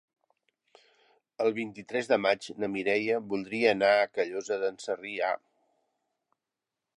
El vint-i-tres de maig na Mireia voldria anar a Callosa d'en Sarrià.